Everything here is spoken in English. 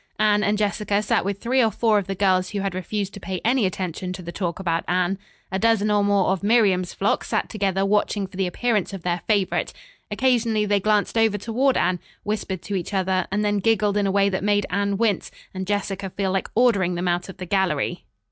Anne and Jessica sat with three or four of the girls who had refused to pay any attention to the talk about Anne. A dozen or more of Miriam's flock sat together watching for the appearance of their favorite. Occasionally they glanced over toward Anne, whispered to each other, and then giggled in a way that made Anne wince and Jessica feel like ordering them out of the gallery.